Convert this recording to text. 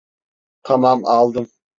Tamam, aldım.